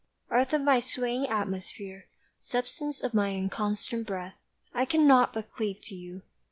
Earth of my swaying atmosphere, Substance of my inconstant breath, I cannot but cleave to you.